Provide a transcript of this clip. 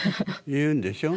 言うんでしょ？